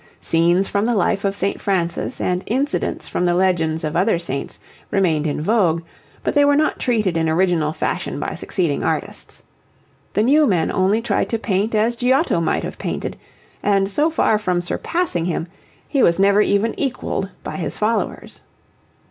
Scenes from the life of St. Francis and incidents from the legends of other saints remained in vogue, but they were not treated in original fashion by succeeding artists. The new men only tried to paint as Giotto might have painted, and so far from surpassing him, he was never even equalled by his followers.